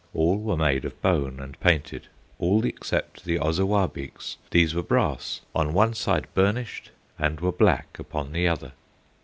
All were made of bone and painted, All except the Ozawabeeks; These were brass, on one side burnished, And were black upon the other.